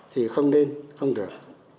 thì không nên không được